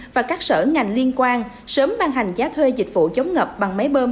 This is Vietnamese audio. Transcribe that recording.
và các sở ngành liên quan sớm ban hành giá thuê dịch vụ chống ngập bằng máy bơm